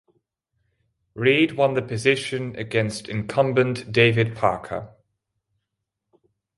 Read won the position against incumbent David Parker.